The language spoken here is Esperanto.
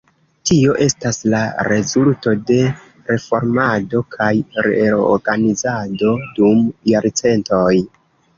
Tio estas la rezulto de reformado kaj reorganizado dum jarcentoj.